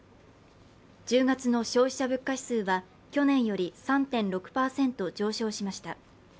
１０月の消費者物価指数は去年より３．６％上昇しました。